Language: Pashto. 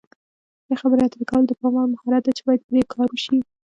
ښې خبرې اترې کول د پام وړ مهارت دی چې باید پرې کار وشي.